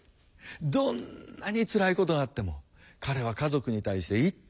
どんなにつらいことがあっても彼は家族に対していつも笑っている。